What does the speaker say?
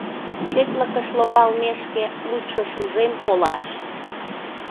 Четлыкыш логалмешке, лучо шужен колаш!